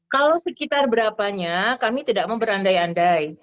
kalau sekitar berapanya kami tidak mau berandai andai